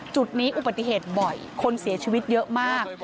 จุดนี้อุบัติเหตุบ่อยคนเสียชีวิตเยอะมาก